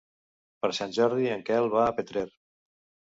Per Sant Jordi en Quel va a Petrer.